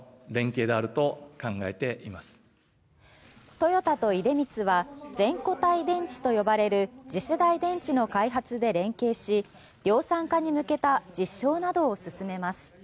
トヨタと出光は全固体電池と呼ばれる次世代電池の開発で連携し量産化に向けた実証などを進めます。